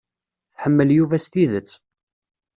Tḥemmel Yuba s tidet.